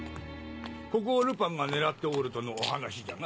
ここをルパンが狙っておるとのお話じゃが。